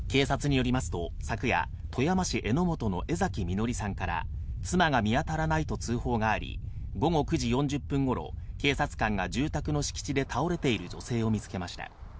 警察によりますと、昨夜、富山市江本の江嵜彌憲さんから、妻が見当たらないと通報があり、午後９時４０分ごろ、警察官が住宅の敷地で倒れている女性を見つけました。